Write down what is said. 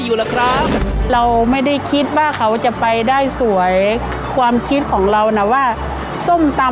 อยู่หรอกครับเราไม่ได้คิดว่าเขาจะไปได้สวยความคิดของเรานะว่าส้มตำ